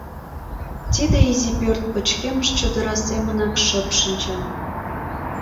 Тиде изи пӧрт пычкемыш чодыра семынак шып шинча.